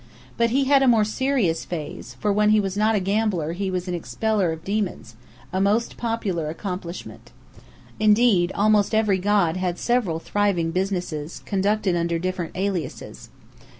But he had a more serious phase, for when he was not a gambler he was an Expeller of Demons, a most popular accomplishment. Indeed, almost every god had several thriving businesses, conducted under different aliases.